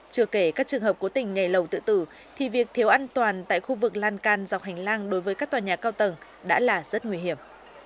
chưa kể các trường hợp cố tình nhảy lầu tự tử thì việc thiếu an toàn tại khu vực lan can dọc hành lang đối với các tòa nhà cao tầng đã là rất nguy hiểm